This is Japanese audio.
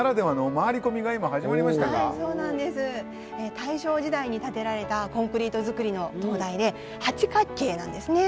大正時代に建てられたコンクリート造りの灯台で八角形なんですね。